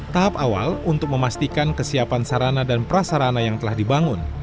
tahap awal untuk memastikan kesiapan sarana dan prasarana yang telah dibangun